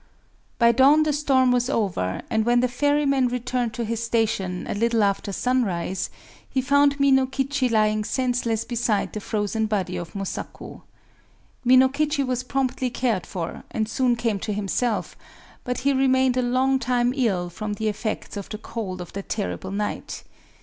By dawn the storm was over; and when the ferryman returned to his station, a little after sunrise, he found Minokichi lying senseless beside the frozen body of Mosaku. Minokichi was promptly cared for, and soon came to himself; but he remained a long time ill from the effects of the cold of that terrible night.